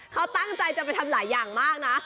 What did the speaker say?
เขาตั้งใจจะไปทำหลายอย่างมากนะ